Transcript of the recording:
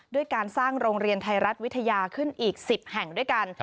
ด้วยการสร้างโรงเรียนไทยรัฐวิทยาขึ้นอีก๑๐แห่งด้วยกัน